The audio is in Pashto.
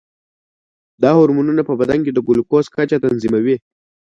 دا هورمونونه په بدن کې د ګلوکوز کچه تنظیموي.